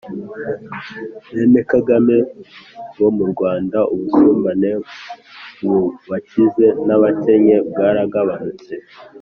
Bene Kagame ngo mu Rwanda ubusumbane mubakize nabakennye bwaragabanutse.